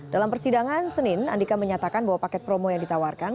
dalam persidangan senin andika menyatakan bahwa paket promo yang ditawarkan